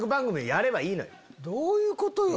どういうことよ？